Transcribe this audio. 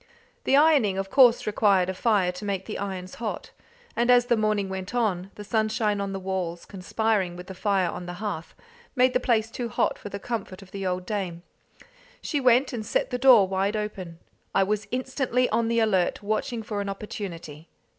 The ironing of course required a fire to make the irons hot, and as the morning went on, the sunshine on the walls, conspiring with the fire on the hearth, made the place too hot for the comfort of the old dame. She went and set the door wide open. I was instantly on the alert, watching for an opportunity.